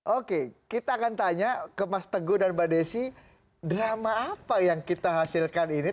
oke kita akan tanya ke mas teguh dan mbak desi drama apa yang kita hasilkan ini